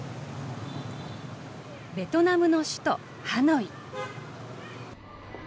ベトナムの首都ハノイ。